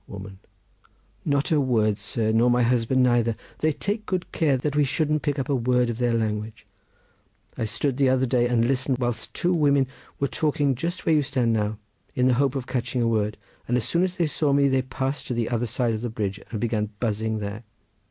Woman.—Not a word, sir, nor my husband neither. They take good care that we shouldn't pick up a word of their language. I stood the other day and listened whilst two women were talking just where you stand now, in the hope of catching a word, and as soon as they saw me they passed to the other side of the bridge, and began buzzing there.